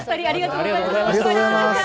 ありがとうございます！